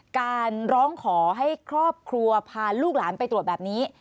การร้องขอให้ครอบครัวพาลูกหลานไปตรวจแบบนี้